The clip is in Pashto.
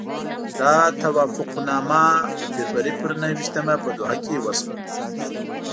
دا توافقنامه د فبروري پر نهه ویشتمه په دوحه کې وشوه.